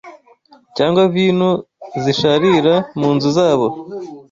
cyangwa vino zisharira mu nzu zabo